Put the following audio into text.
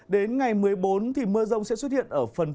đến ngày một mươi bốn mưa rông sẽ xuất hiện ở phần